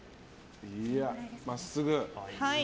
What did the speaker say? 真っすぐ！